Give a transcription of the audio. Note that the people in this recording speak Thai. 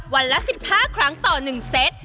วันละ๑๕ครั้งต่อ๑เซต